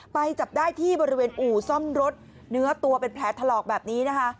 ไปจับได้ที่บริเวณอู่ซ่อมรถเนื้อตัวเป็นแผลถลอกแบบนี้นะคะ